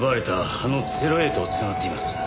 あの０−Ａと繋がっています。